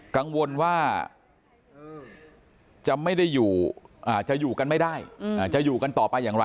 กังวลว่าจะอยู่กันไม่ได้จะอยู่กันต่อไปอย่างไร